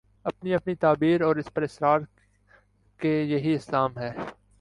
اپنی اپنی تعبیر اور اس پر اصرار کہ یہی اسلام ہے۔